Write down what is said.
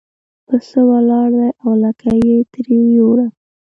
پسه ولاړ دی او لکۍ یې ترې یووړه.